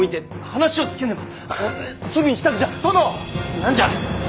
何じゃ。